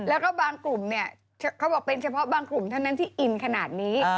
แล้วก็บางกลุ่มเนี่ยเขาบอกเป็นเฉพาะบางกลุ่มเท่านั้นที่อินขนาดนี้